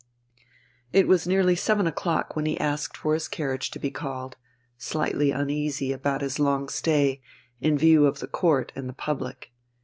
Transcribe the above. It was nearly seven o'clock when he asked for his carriage to be called slightly uneasy about his long stay, in view of the Court and the public.